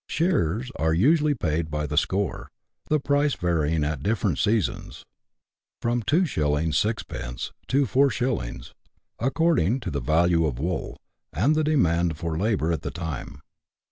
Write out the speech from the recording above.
Shearers are usually paid by the score, the price varying at different seasons from 2s. 6d. to 4*., according to the value of wool, and the demand for labour at the time.